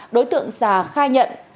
đối tượng xà khai nhận